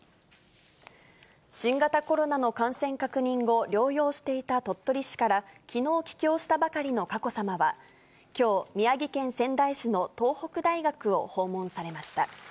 新型コロナの感染確認後、療養していた鳥取市から、きのう帰京したばかりの佳子さまは、きょう、宮城県仙台市の東北大学を訪問されました。